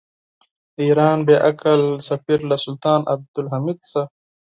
د ایران بې عقل سفیر له سلطان عبدالحمید څخه.